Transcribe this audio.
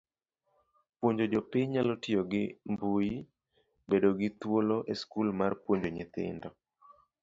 Puonjo jopiny nyalo tiyo gi mbui, bedo gi thuolo e skul mar puonjo nyithindo.